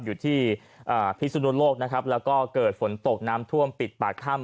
อยู่ที่พิสุนุโลกนะครับแล้วก็เกิดฝนตกน้ำท่วมปิดปากถ้ำ